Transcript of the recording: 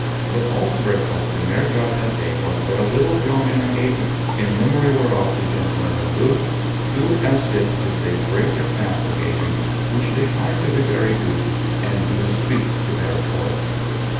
But all the breakfast the mare got that day was but a little yawning and gaping, in memory whereof the gentlemen of Beauce do as yet to this day break their fast with gaping, which they find to be very good, and do spit the better for it.